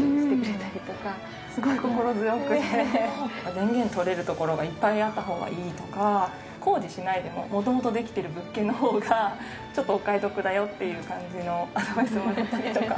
電源取れるところがいっぱいあった方がいいとか工事しないでも元々できてる物件の方がちょっとお買い得だよっていう感じのアドバイスをもらったりとか。